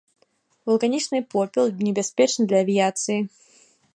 Вулканічны попел небяспечны для авіяцыі.